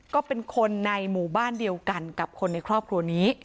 ก็เป็นคนในหมู่บ้านเดียวกันกับคนในครอบครัวนี้